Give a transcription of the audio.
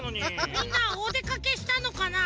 みんなおでかけしたのかな？